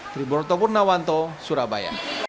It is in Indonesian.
tribur tokur nawanto surabaya